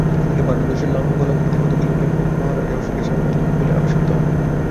এদিকে ভারতবর্ষের লাঙ্গলাকৃতি কতকগুলি লেখ মহারাজা অশোকের সমসাময়িক লিপি বলে আবিষ্কৃত হয়।